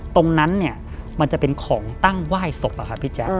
ตรงนั้นเนี่ยมันจะเป็นของตั้งไหว้ศพอะครับพี่แจ๊ค